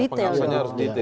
pengawasannya harus detail